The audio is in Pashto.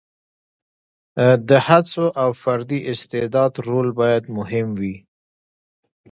د هڅو او فردي استعداد رول باید مهم وي.